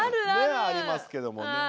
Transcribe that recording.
ねえありますけども。